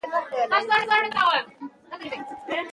په سیمه ییزه کچه د پانګونې کلتور وده کوي.